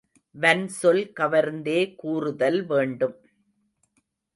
வன்சொல் கவர்ந்தே கூறுதல் வேண்டும்.